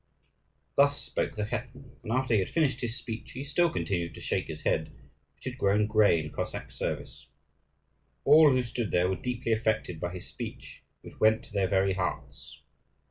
Thus spoke the hetman; and after he had finished his speech he still continued to shake his head, which had grown grey in Cossack service. All who stood there were deeply affected by his speech, which went to their very hearts.